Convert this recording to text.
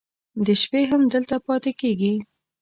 د شپې هم دلته پاتې کېږي.